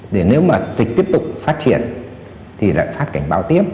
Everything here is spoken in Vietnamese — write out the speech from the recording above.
để nếu mà dịch tiếp tục phát triển thì lại phát cảnh báo tiếp